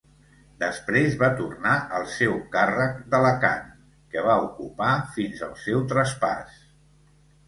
Després va tornar al seu càrrec d'Alacant, que va ocupar fins al seu traspàs.